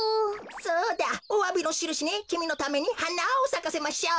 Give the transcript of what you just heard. そうだおわびのしるしにきみのためにはなをさかせましょう。